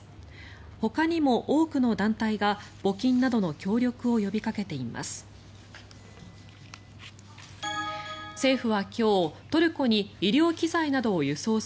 ほかにも多くの団体が募金などの協力を呼びかけています。